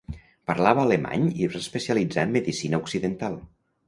Parlava alemany i es va especialitzar en medicina occidental.